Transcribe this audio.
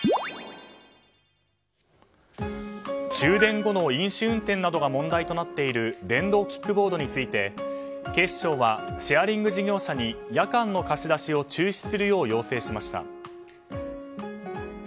終電後の飲酒運転などが問題となっている電動キックボードについて警視庁はシェアリング事業者に夜間の貸し出しを中止するよう要請しました。